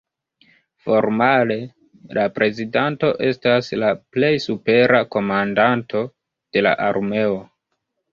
Formale la prezidanto estas la plej supera komandanto de la armeo.